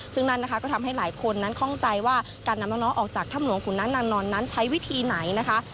ซึ่งนั่นนะคะก็ทำให้หลายคนนั้นข้องใจว่าการนำน้องออกจากถ้ำหลวงขุนน้ำนางนอนนั้นใช้วิธีไหนนะคะ